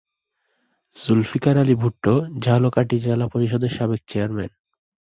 জুলফিকার আলী ভুট্টো ঝালকাঠি জেলা পরিষদের সাবেক চেয়ারম্যান।